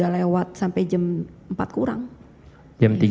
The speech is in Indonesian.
lewat sampai jam empat kurang